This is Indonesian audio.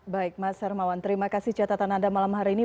baik mas hermawan terima kasih catatan anda malam hari ini